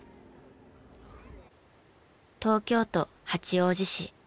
東京都八王子市。